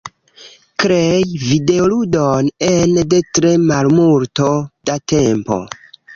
Krei videoludon ene de tre malmulto da tempo.